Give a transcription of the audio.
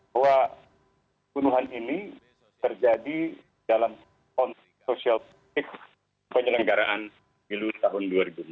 bahwa pembunuhan ini terjadi dalam konteks sosialistik penyelenggaraan dulu tahun dua ribu empat